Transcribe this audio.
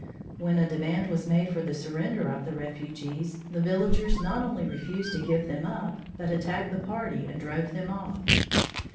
When a demand was made for the surrender of the refugees, the villagers not only refused to give them up, but attacked the party and drove them off.